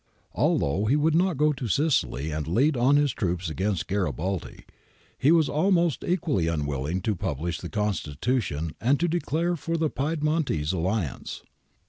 Although he would not go to Sicily and lead on his troops against Garibaldi, he was almost equally unwilling to publish the Constitution and to declare for the Piedmontese alliance.